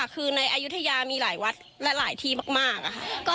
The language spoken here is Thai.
คือในอยุธยามีหลายวัฒน์และหลายที่มาก